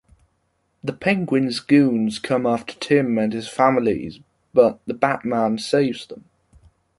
The Penguin's goons come after Tim and his family, but the Batman saves them.